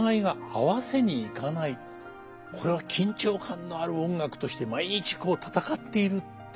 これは緊張感のある音楽として毎日戦っているっていうね